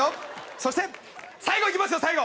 そして最後いきますよ最後。